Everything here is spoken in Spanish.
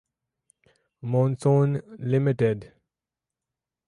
Monsoon Limited.